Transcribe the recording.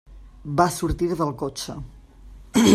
Va sortir del cotxe.